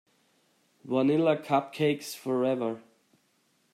Vanilla cupcakes forever.